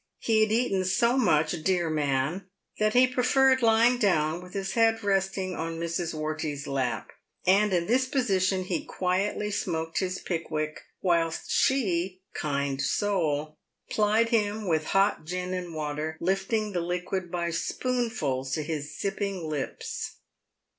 He had eaten so much, dear man, that he pre ferred lying down with his head resting on Mrs. Wortey's lap ; and in this position he quietly smoked his pickwick, whilst she, kind soul, plied him with hot gin and water, lifting the liquid by spoonfuls to his sipping lips.